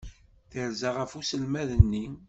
Terza ɣef uselmad-nni.